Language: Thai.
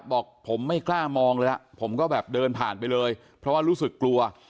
บอกผมไม่กล้ามองเลยแล้วผมก็แบบเดินผ่านไปเลยเพราะว่ารู้สึกกลัว